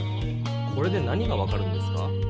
これで何が分かるんですか？